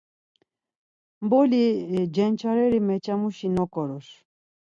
Mboli cenç̌areri meçamuşi noǩorur.